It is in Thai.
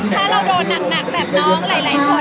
ถ้าเราโดนหนักแบบน้องหลายคน